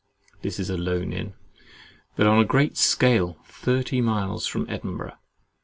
This is a lone inn, but on a great scale, thirty miles from Edinburgh.